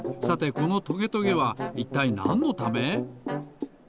さてこのトゲトゲはいったいなんのため？